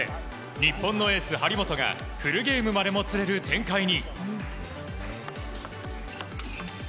日本のエース、張本がフルゲームにまでもつれる展開に。